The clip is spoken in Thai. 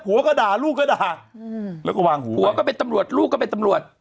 ก็ด่าลูกก็ด่าแล้วก็วางหัวผัวก็เป็นตำรวจลูกก็เป็นตำรวจ